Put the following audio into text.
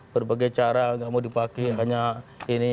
berbagai cara nggak mau dipakai hanya ini